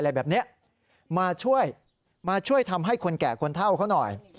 อะไรแบบนี้มาช่วยมาช่วยทำให้คนแก่คนเท่าเขาหน่อย